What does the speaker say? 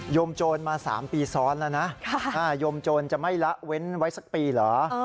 มโจรมา๓ปีซ้อนแล้วนะโยมโจรจะไม่ละเว้นไว้สักปีเหรอ